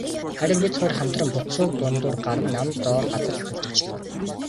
Харин бид хоёр хамтран бут сөөг дундуур гаран нам доор газарт хүрч очлоо.